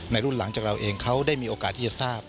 รุ่นหลังจากเราเองเขาได้มีโอกาสที่จะทราบ